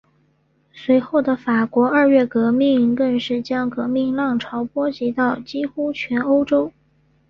随后的法国二月革命更是将革命浪潮波及到几乎全欧洲。